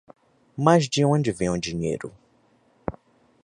Mas de onde vem o dinheiro?